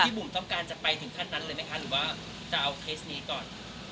บุ๋มต้องการจะไปถึงขั้นนั้นเลยไหมคะหรือว่าจะเอาเคสนี้ก่อน